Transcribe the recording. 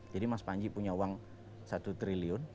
jadi mas panji punya uang satu triliun